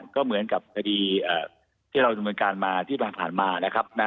ก็เหมือนกับคดีที่เราดำเนินการมาที่ผ่านมานะครับ